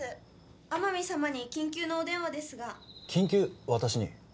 天海様に緊急のお電話ですが緊急私に？